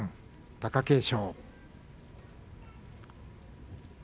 貴景勝。